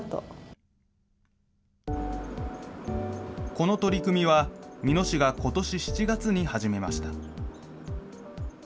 この取り組みは、美濃市がことし７月に始めました。